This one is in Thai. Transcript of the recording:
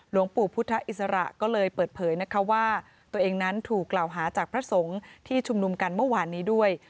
หลวงปู่พุทธอิสระก็เลยเปิดเผยนะคะว่าตัวเองนั้นถูกกล่าวหาจากพระสงฆ์ที่ชุมนุมกันเมื่อวานนี้ด้วย